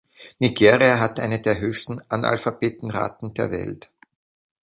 Nigeria hat eine der höchsten Analphabetenraten der Welt.